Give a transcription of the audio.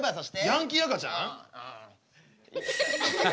ヤンキー赤ちゃん？